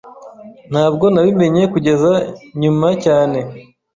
Ntabwo nabimenye kugeza nyuma cyane.